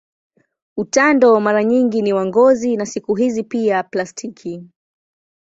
Utando mara nyingi ni wa ngozi na siku hizi pia plastiki.